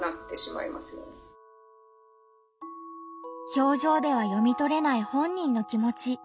表情では読みとれない本人の気持ち。